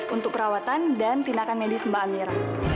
untuk perawatan dan tindakan medis mbak amir